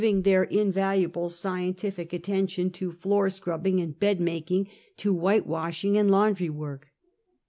ing their invaluable scientific attention to floor scrub bing and bed making, to whitewashing and laundry work.